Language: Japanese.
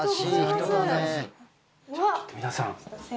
皆さん。